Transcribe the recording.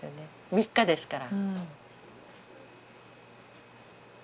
３日ですから。